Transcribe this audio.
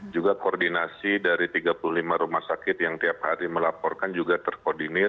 juga koordinasi dari tiga puluh lima rumah sakit yang tiap hari melaporkan juga terkoordinir